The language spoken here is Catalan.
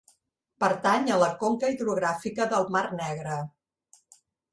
Pertany a la conca hidrogràfica del Mar Negre.